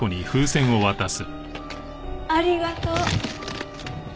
ありがとう。